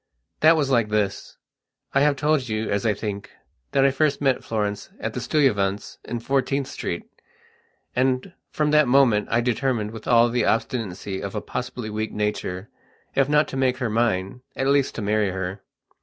That was like this: I have told you, as I think, that I first met Florence at the Stuyvesants', in Fourteenth Street. And, from that moment, I determined with all the obstinacy of a possibly weak nature, if not to make her mine, at least to marry her.